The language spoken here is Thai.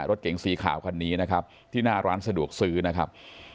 รถเก๋งสีขาวคันนี้นะครับที่หน้าร้านสะดวกซื้อนะครับ